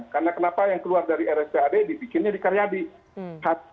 karena kenapa yang keluar dari rsjad dibikinnya dikarenakan